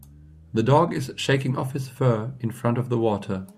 The dog is shaking off his fur in front of the water.